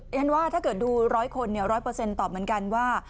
อย่างนี้ว่าถ้าเกิดดูร้อยคนเนี้ยร้อยเปอร์เซ็นต์ตอบเหมือนกันว่า